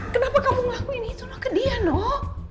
kenapa kamu ngelakuin itu ke dia noh